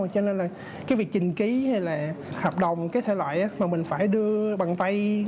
cho nên là cái việc trình ký hay là hợp đồng cái thể loại mà mình phải đưa bằng tay